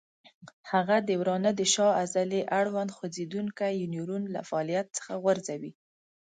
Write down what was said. هغه د ورانه د شا عضلې اړوند خوځېدونکی نیورون له فعالیت څخه غورځوي.